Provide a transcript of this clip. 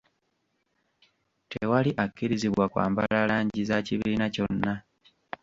Tewali akkirizibwa kwambala langi za kibiina kyonna.